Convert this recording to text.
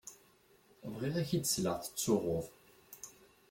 Bɣiɣ ad k-id-sleɣ tettsuɣuḍ.